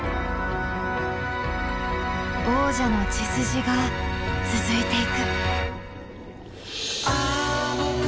王者の血筋が続いていく。